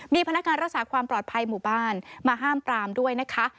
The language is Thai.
มีพนักงานรักษาความปลอดภัยหมู่บ้านมาห้ามปรามด้วยนะคะ